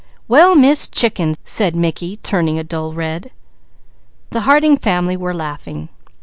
"Well Miss Chicken!" said Mickey turning a dull red. The Harding family were laughing.